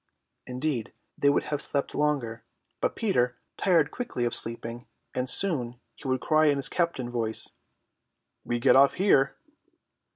Indeed they would have slept longer, but Peter tired quickly of sleeping, and soon he would cry in his captain voice, "We get off here."